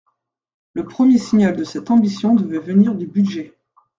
Le premier signal de cette ambition devait venir du budget.